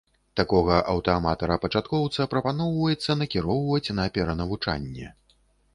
Такога аўтааматара-пачаткоўца прапаноўваецца накіроўваць на перанавучанне.